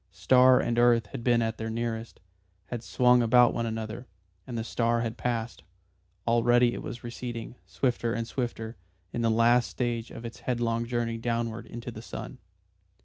Star and earth had been at their nearest, had swung about one another, and the star had passed. Already it was receding, swifter and swifter, in the last stage of its headlong journey downward into the sun.